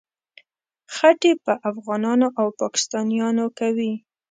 خټې په افغانانو او پاکستانیانو کوي.